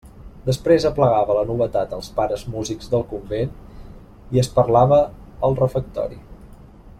Després aplegava la novetat als pares músics del convent i es parlava al refectori.